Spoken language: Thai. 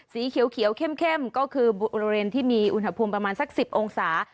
สีเขียวเข้มก็คือบริเวณที่มีอุณหภูมิประมาณสัก๑๐องศา